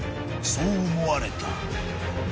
［そう思われた］